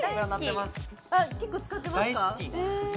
あっ結構使ってますか？